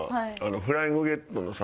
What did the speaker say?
『フライングゲット』のさ。